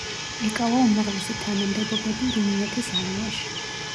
ეკავა უმაღლესი თანამდებობები რუმინეთის არმიაში.